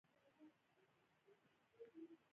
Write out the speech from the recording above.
د لوی منګي اوبه خوږې وي متل د لویانو ښېګڼې ښيي